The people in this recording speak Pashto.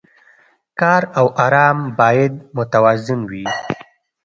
کار او ارام باید متوازن وي.